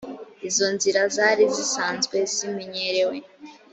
izo nzira zari zisanzwe zimenyerewe